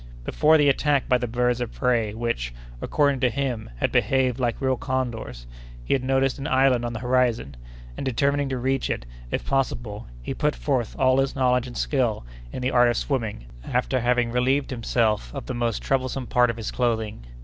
Before the attack by the birds of prey, which, according to him, had behaved like real condors, he had noticed an island on the horizon, and determining to reach it, if possible, he put forth all his knowledge and skill in the art of swimming, after having relieved himself of the most troublesome part of his clothing.